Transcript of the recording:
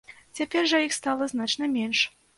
Цяпер жа іх стала значна менш.